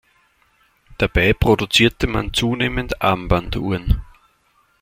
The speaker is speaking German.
Dabei produzierte man zunehmend Armbanduhren.